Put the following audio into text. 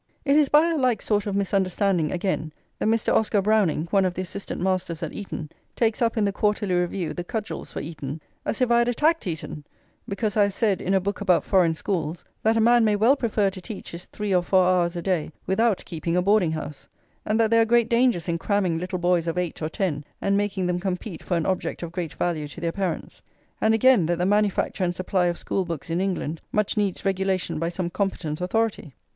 [xii] It is by a like sort of misunderstanding, again, that Mr. Oscar Browning, one of the assistant masters at Eton, takes up in the Quarterly Review the cudgels for Eton, as if I had attacked Eton, because I have said, in a book about foreign schools, that a man may well prefer to teach his three or four hours a day without keeping a boarding house; and that there are great dangers in cramming little boys of eight or ten and making them compete for an object of great value to their parents; and, again, that the manufacture and supply of school books, in England, much needs regulation by some competent authority.